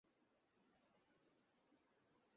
আহা, এতটা হৃদয়হীন হয়ো না।